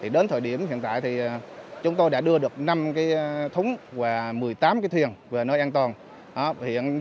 đến thời điểm hiện tại chúng tôi đã đưa được năm thúng và một mươi tám thiền về nơi an toàn